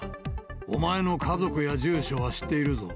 お前の家族や住所は知っているぞ。